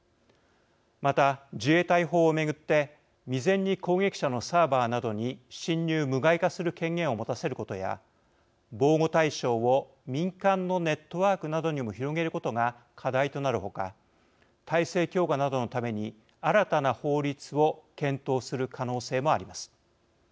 また自衛隊法を巡って未然に攻撃者のサーバーなどに侵入無害化する権限を持たせることや防護対象を民間のネットワークなどにも広げることが課題となるほか体制強化などのために新たな法律を検討する可能性もあります。